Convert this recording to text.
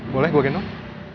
boleh gue gendong